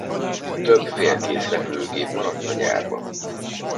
Több félkész repülőgép maradt a gyárban.